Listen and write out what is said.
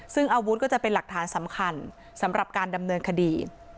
ซึ่งอาวุธก็จะเป็นหลักฐานสำคัญสำหรับการดำเนินคดี